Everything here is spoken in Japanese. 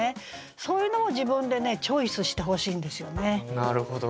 そういうのを自分でねチョイスしてほしいんですよね。